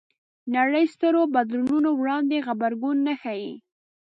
نړۍ سترو بدلونونو وړاندې غبرګون نه ښيي